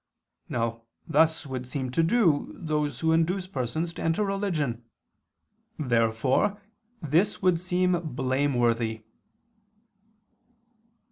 Now thus would seem to do those who induce persons to enter religion. Therefore this would seem blameworthy.